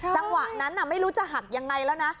จังหวะนั้นไม่รู้จะหักยังไงแล้วนะ